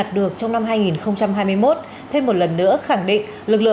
nó bước đây năm trăm hai mươi một mg trong một lít khí thở